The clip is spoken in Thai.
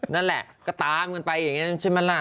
นั่นแหละก็ตามกันไปอย่างนี้ใช่ไหมล่ะ